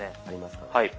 ありますね。